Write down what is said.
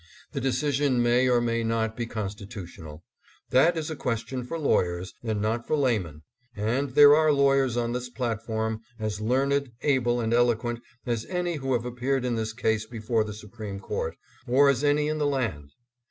The decision may or may not be constitutional. That is a question for lawyers and not for laymen ; and there are lawyers on this platform as learned, able and eloquent as any who have appeared in this case before the Supreme Court, or as any in the land.